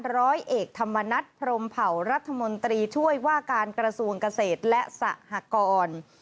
ร้อยเอกธรรมนัฐพรมเผารัฐมนตรีช่วยว่าการกระทรวงเกษตรและสหกร